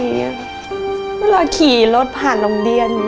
เวลาขี่รถผ่านโรงเรียน